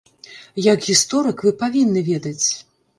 Як гісторык вы павінны ведаць.